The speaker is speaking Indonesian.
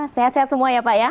sehat sehat semua ya pak ya